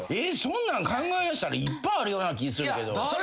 そんなん考えだしたらいっぱいあるような気するけど。